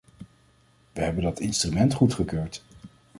We hebben dat instrument goedgekeurd.